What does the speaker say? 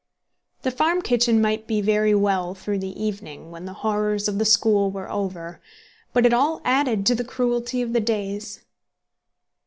The farm kitchen might be very well through the evening, when the horrors of the school were over; but it all added to the cruelty of the days.